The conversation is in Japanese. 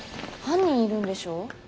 犯人いるんでしょ。